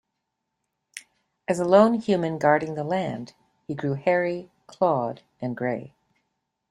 As a lone human guarding the land, he grew hairy, clawed and gray.